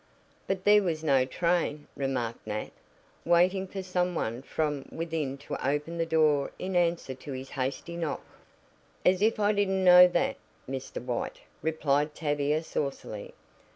"But there was no train," remarked Nat, waiting for some one from within to open the door in answer to his hasty knock. "As if I didn't know that, Mr. White," replied Tavia saucily.